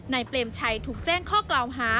เปรมชัยถูกแจ้งข้อกล่าวหา